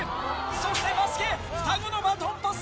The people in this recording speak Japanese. そしてバスケ双子のバトンパスだ！